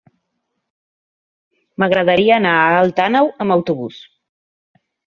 M'agradaria anar a Alt Àneu amb autobús.